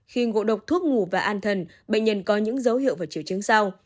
khi ngộ độc thuốc ngủ và an thần bệnh nhân có những dấu hiệu vào chiều chứng sau